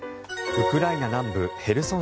ウクライナ南部ヘルソン